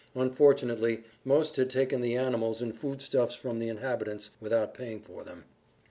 Unfortunately most had taken the animals and foodstuffs from the inhabitants without paying for them.